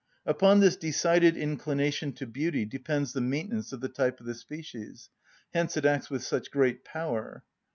Upon this decided inclination to beauty depends the maintenance of the type of the species: hence it acts with such great power.